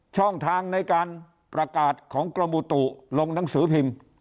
ช่องทางในการประกาศของกรมอุตุลงหนังสือพิมพ์